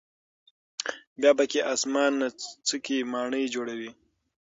بیا پکې آسمانڅکې ماڼۍ جوړوي.